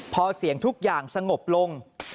พอเสียงทุกอย่างสงบลง